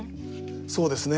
そうですね。